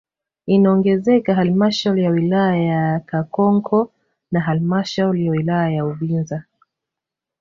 Inaongezeka halmashauri ya wilaya ya Kakonko na halmashauri ya wilaya ya Uvinza